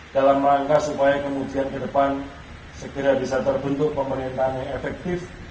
dalam rangka supaya kemudian ke depan segera bisa terbentuk pemerintahan yang efektif